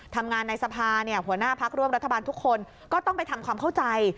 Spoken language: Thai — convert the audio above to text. ทำงานในสภาเนี่ยหัวหน้าพักร่วมรัฐบาลทุกคนก็ต้องไปทำความเข้าใจ